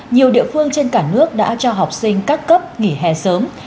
nhiều địa phương trên cả nước đã cho học sinh các cấp nghỉ hè sớm